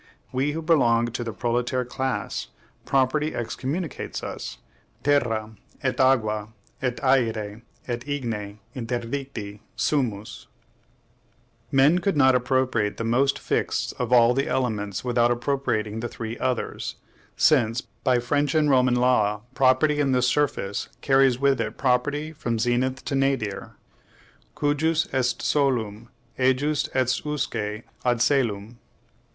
We who belong to the proletaire class: property excommunicates us! Terra, et aqua, et aere, et igne interdicti sumus. Men could not appropriate the most fixed of all the elements without appropriating the three others; since, by French and Roman law, property in the surface carries with it property from zenith to nadir Cujus est solum, ejus est usque ad caelum.